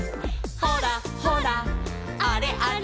「ほらほらあれあれ」